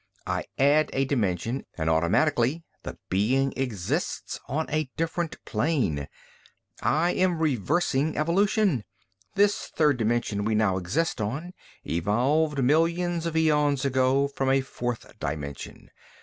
I add a dimension, and automatically the being exists on a different plane. I am reversing evolution. This third dimension we now exist on evolved, millions of eons ago, from a fourth dimension.